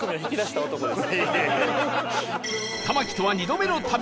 玉木とは２度目の旅